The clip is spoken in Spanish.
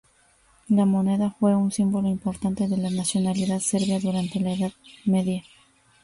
La moneda fue un símbolo importante de la nacionalidad serbia durante la Edad Media.